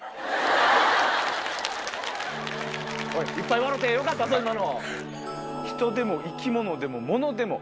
いっぱい笑うてよかったぞ今の。